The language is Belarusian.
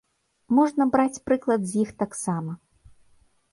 Можна браць прыклад з іх таксама.